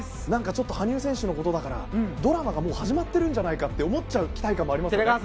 何かちょっと羽生選手のことだからドラマがもう始まってるんじゃないかっていう思っちゃう期待感もありますね。